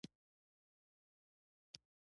بزګر د باغ شنه سا ده